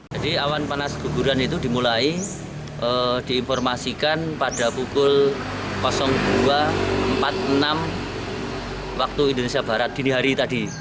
jadi awan panas keguguran itu dimulai diinformasikan pada pukul dua empat puluh enam waktu indonesia barat dini hari tadi